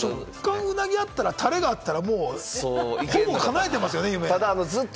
食感をウナギだったらタレがあったら、もうほぼ夢叶えてますよね。